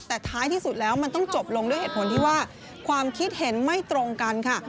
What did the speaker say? แต่ท้ายที่สุดแล้วมันต้องจบลงด้วยเหตุผลที่ว่าความคิดเห็นไม่ตรงกันค่ะ